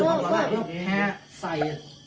เอ้ย